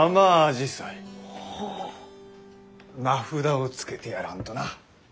名札をつけてやらんとな。